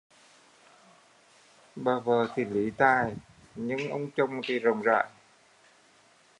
Bà vợ thì lý tài, nhưng ông chồng thì rộng rãi